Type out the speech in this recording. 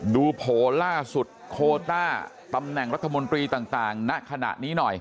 โผล่ล่าสุดโคต้าตำแหน่งรัฐมนตรีต่างณขณะนี้หน่อย